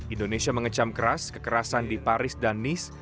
indonesia mengecam keras kekerasan di paris dan nis